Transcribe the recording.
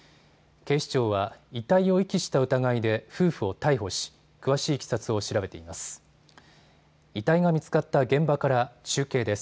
警視庁は遺体を遺棄した疑いで夫婦を逮捕し詳しいいきさつを調べています。